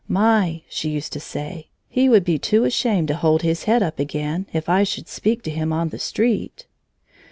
"My," she used to say, "he would be too ashamed to hold his head up again, if I should speak to him on the street."